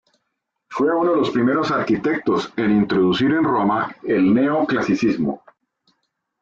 Fue uno de los primeros arquitectos en introducir en Roma el Neoclasicismo.